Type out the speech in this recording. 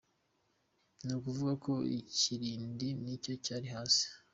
Ni ukuvuga ko ikirindi nicyo cyari hasi.